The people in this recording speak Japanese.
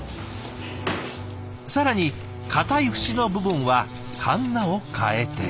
更に硬い節の部分はかんなを換えて。